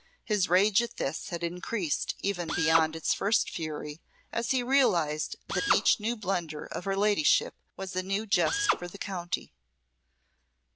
His rage at this had increased even beyond its first fury as he realised that each new blunder of her ladyship was a new jest for the county.